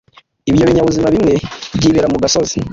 Ibyo binyabuzima bimwe byibera mu gasozi,